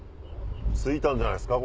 着いたんじゃないですか？